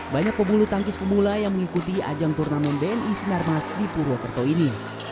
banyak pembulu tangkis pemula yang mengikuti ajang turnamen bni sirnas ain di purwokerto ini